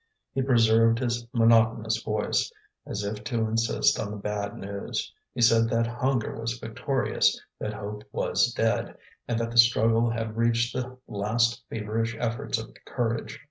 He preserved his monotonous voice, as if to insist on the bad news; he said that hunger was victorious, that hope was dead, and that the struggle had reached the last feverish efforts of courage.